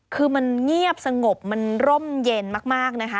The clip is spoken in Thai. คือมันเงียบสงบมันร่มเย็นมากนะคะ